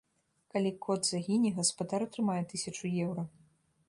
Калі кот загіне, гаспадар атрымае тысячу еўра.